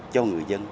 cho người dân